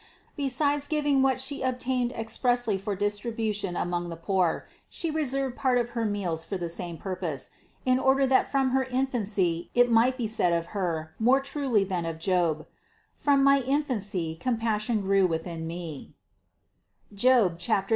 Besides giving what She obtained expressly for distribution among the poor, She reserved part of her meals for the same pur pose, in order that from her infancy it might be said of Her more truly than of Job: from my infancy compas sion grew with me (Job 31, 18).